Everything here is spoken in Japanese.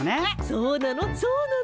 そうなの？